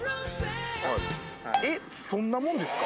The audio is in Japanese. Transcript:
えそんなもんですか？